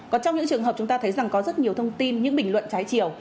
còn trong những trường hợp chúng ta thấy rằng có rất nhiều thông tin những bình luận trái chiều